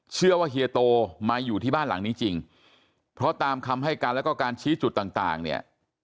เชื่อว่าเฮียโตมายุทิบ้านหลังจริงเพราะตามคำให้การแล้วก็การชี้จุดต่างเนี่ย